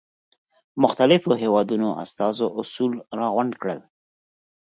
مختلفو هېوادونو استازو اصول را غونډ کړل.